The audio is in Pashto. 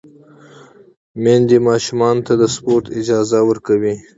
میندې ماشومانو ته د سپورت اجازه ورکوي۔